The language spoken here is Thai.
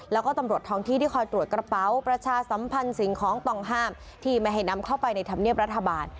แล้วก็ตำรวจท้องที่ที่คอยตรวจกระเป๋าประชาสัมพันธ์สิ่งของต้องห้ามที่ไม่ให้นำเข้าไปในธรรมเนียบรัฐบาล